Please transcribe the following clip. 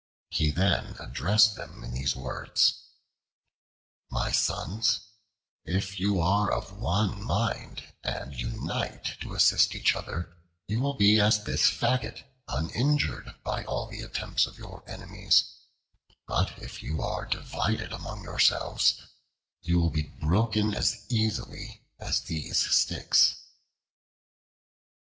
He then addressed them in these words: "My sons, if you are of one mind, and unite to assist each other, you will be as this faggot, uninjured by all the attempts of your enemies; but if you are divided among yourselves, you will be broken as easily as these sticks."